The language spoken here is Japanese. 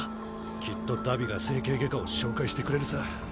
きっと荼毘が整形外科を紹介してくれるさ。